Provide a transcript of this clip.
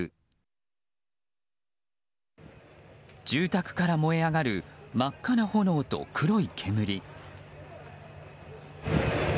住宅から燃え上がる真っ赤な炎と黒い煙。